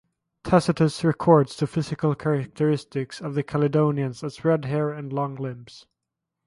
Tacitus records the physical characteristics of the Caledonians as red hair and long limbs.